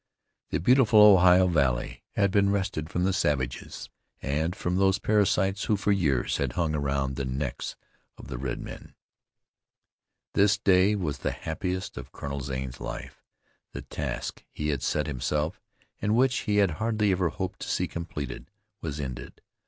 The beautiful Ohio valley had been wrested from the savages and from those parasites who for years had hung around the necks of the red men. This day was the happiest of Colonel Zane's life. The task he had set himself, and which he had hardly ever hoped to see completed, was ended.